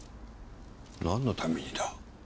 なんのためにだ？